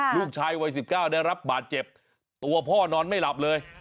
ลูกชายวัย๑๙ได้รับบาดเจ็บตัวพ่อนอนไม่หลับเลย